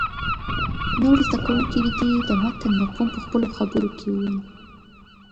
نور زده کوونکي دې د متن مفهوم په خپلو خبرو کې ووایي.